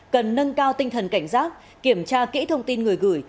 cần nâng cao tinh thần cảnh giác kiểm tra kỹ thông tin người gửi